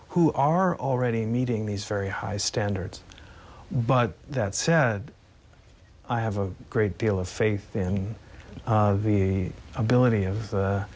เพราะทไทยต้องสูงสงครามกับมาเลเซียเวียตนาม